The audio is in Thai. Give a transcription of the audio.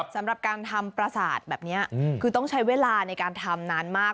สำหรับการทำประสาทแบบนี้คือต้องใช้เวลาในการทำนานมาก